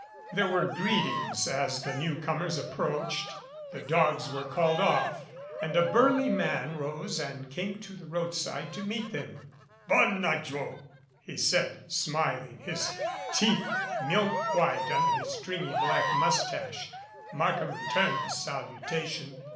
There were greetings as the newcomers approached, the dogs were called off, and a burly man rose and came to the roadside to meet them. "Bona jou," he said, smiling, his teeth milk white un der his stringy black mustache. Markham returned the salutation.